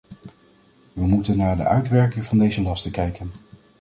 We moeten naar de uitwerking van deze lasten kijken.